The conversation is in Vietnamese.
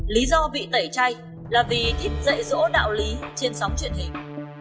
lý do bị tẩy chay là vì thích dạy dỗ đạo lý trên sóng truyền hình